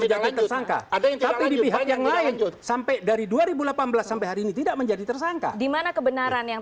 yang tidak sampai satu bulan sampai hari ini tidak menjadi tersangka dimana kebenaran yang